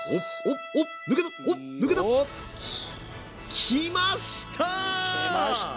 きました！